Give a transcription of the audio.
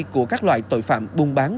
của các loại tội phạm bùng bán